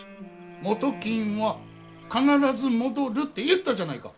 元金は必ず戻るって言ったじゃないか。